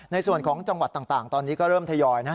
ในส่วนของจังหวัดต่างตอนนี้ก็เริ่มทยอย